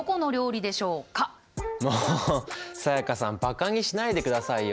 もう才加さんバカにしないでくださいよ。